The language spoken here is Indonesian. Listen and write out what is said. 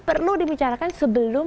perlu dibicarakan sebelum